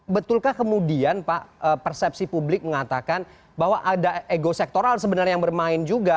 betulkah kemudian pak persepsi publik mengatakan bahwa ada ego sektoral sebenarnya yang bermain juga